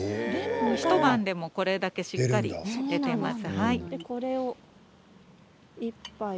一晩でこれだけしっかり出ています。